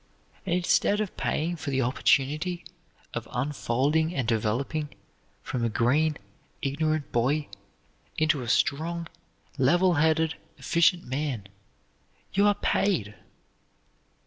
And instead of paying for the opportunity of unfolding and developing from a green, ignorant boy into a strong, level headed, efficient man, you are paid!